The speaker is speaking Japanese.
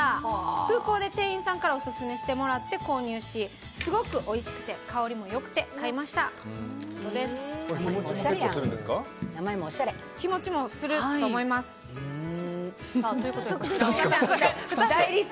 空港で店員さんからオススメしてもらって購入しすごくおいしくて、香りも良くて買いましたということです。